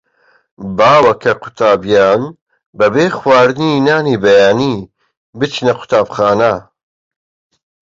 باوە کە کە قوتابییان بەبێ خواردنی نانی بەیانی بچنە قوتابخانە.